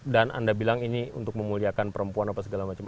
dan anda bilang ini untuk memuliakan perempuan apa segala macam